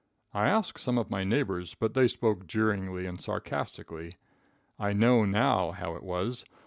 I asked some of my neighbors, but they spoke jeeringly and sarcastically. I know now how it was.